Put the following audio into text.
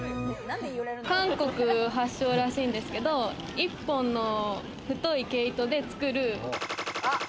韓国発祥らしいんですけど、一方の太い毛糸で作る。